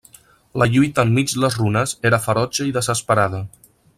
La lluita enmig les runes era ferotge i desesperada.